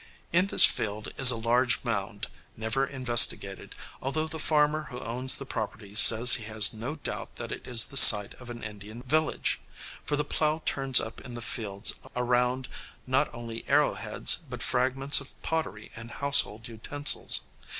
In this field is a large mound, never investigated, although the farmer who owns the property says he has no doubt that it is the site of an Indian village, for the plough turns up in the fields around not only arrow heads, but fragments of pottery and household utensils.